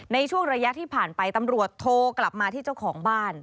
ในช่วงระยะที่ผ่านไปตำรวจโทรกลับมาที่เจ้าของบ้าน